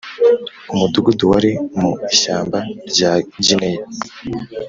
umudugudu wari mu ishyamba rya Gineya